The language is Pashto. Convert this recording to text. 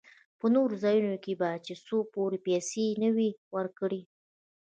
په نورو ځايو کښې به چې څو پورې پيسې يې نه وې ورکړې.